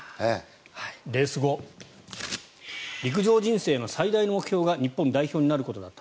レース後陸上人生の最大の目標が日本代表になることだった。